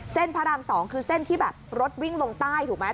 พระราม๒คือเส้นที่แบบรถวิ่งลงใต้ถูกไหม